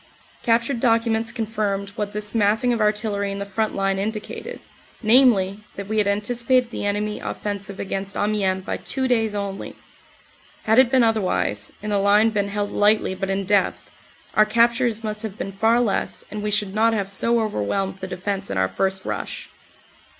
Captured documents confirmed what this massing of artillery in the front line indicated, namely, that we had anticipated the enemy offensive against Amiens by two days only. Had it been otherwise, and the line been held lightly but in depth, our captures must have been far less and we should not have so overwhelmed the defense in our first rush.